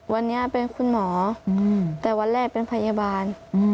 วันนี้เป็นคุณหมอแต่วันแรกเป็นพยาบาล